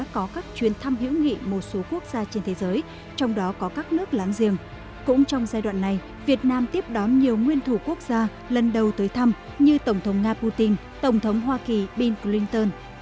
có nhiều nguyên thủ quốc gia lần đầu tới thăm như tổng thống nga putin tổng thống hoa kỳ bill clinton